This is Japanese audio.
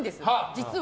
実は。